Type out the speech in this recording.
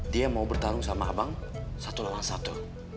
dia mau bertarung sama abang satu lawan satu